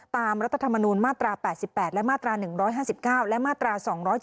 รัฐธรรมนูญมาตรา๘๘และมาตรา๑๕๙และมาตรา๒๗